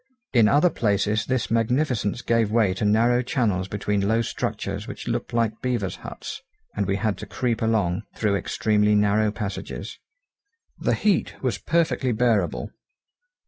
In other places this magnificence gave way to narrow channels between low structures which looked like beaver's huts, and we had to creep along through extremely narrow passages. The heat was perfectly bearable.